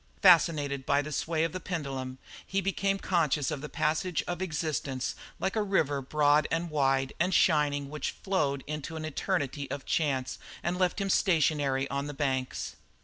Fascinated by the sway of the pendulum he became conscious of the passage of existence like a river broad and wide and shining which flowed on into an eternity of chance and left him stationary on the banks.